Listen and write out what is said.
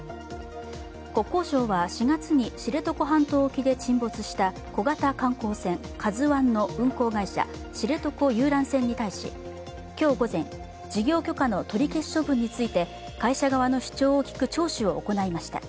国交省は４月に知床半島沖で沈没した小型観光船「ＫＡＺＵⅠ」の運航会社、知床遊覧船に対し今日午前、事業許可の取消処分について会社側の主張を聞く聴取を行いました。